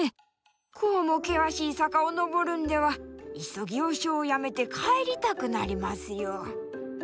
こうも険しい坂をのぼるんではいっそ行商をやめて帰りたくなりますよ」。